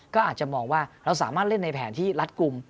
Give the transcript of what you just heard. ก็อาจจะมองว่าเราสามารถเล่นในแผนที่รัดกลุ่ม